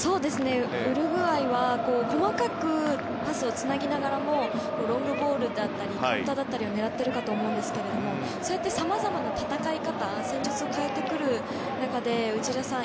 ウルグアイは細かくパスをつなぎながらもロングボールだったりカウンターを狙っていると思いますがそういう、さまざまな戦い方戦術を変えてくる中で、内田さん